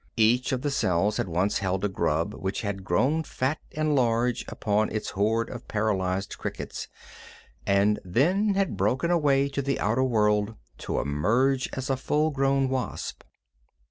Each of the cells had once held a grub which had grown fat and large upon its hoard of paralyzed crickets, and then had broken away to the outer world to emerge as a full grown wasp.